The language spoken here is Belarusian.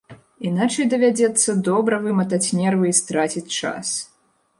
Іначай давядзецца добра выматаць нервы і страціць час.